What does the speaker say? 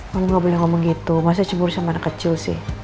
kamu gak boleh ngomong gitu masih cemburu sama anak kecil sih